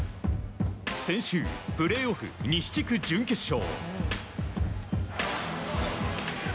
先週、プレーオフ西地区準決勝。